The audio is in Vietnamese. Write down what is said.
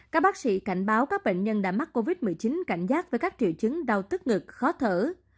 các bác sĩ cảnh báo các bệnh nhân đã mắc covid một mươi chín cảnh giác với các triệu chứng đau tức ngực khó thở